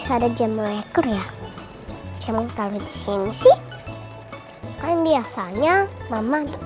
ada jam mereka ya cemang kalau disini sih kan biasanya mama untuk